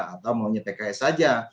atau maunya tks saja